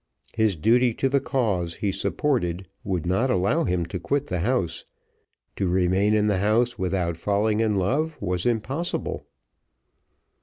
His duty to the cause he supported would not allow him to quit the house to remain in the house without falling in love was impossible.